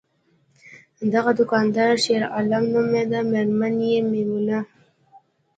دغه دوکاندار شیرعالم نومیده، میرمن یې میمونه!